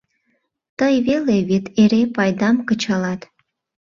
— Тый веле вет эре пайдам кычалат.